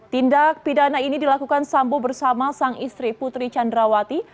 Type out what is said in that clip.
tindak pidana ini dilakukan sambo bersama sang istri putri candrawati